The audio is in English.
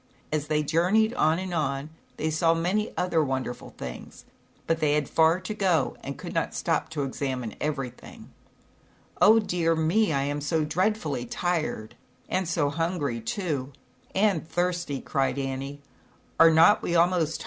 A 1 J 11 As they journeyed on and on, they saw many other wonderful things, but they had far to go and could not stop to examine everything. "Oh, dear me, I am so dreadfully . A u A .u " tired, and so hungry too, and thirsty, cried Annie. "Are not we almost ^^ ~A Jft * I I VjUmrMl ^ft nil A.